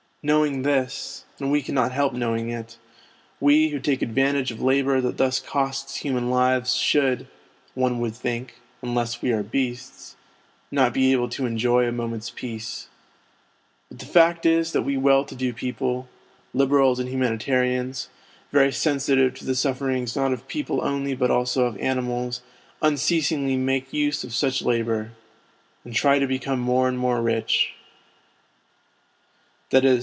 Knowing this (and we cannot help knowing it), we, who take advantage of labour that thus costs human lives should, one would think (unless we are beasts), not be able to enjoy a moment's peace. But the fact is that we well to do people, Liberals and Humanitarians, very sensitive to the sufferings not of people only but also of animals unceasingly make use of such labour, and try to become more and more rich, i.e.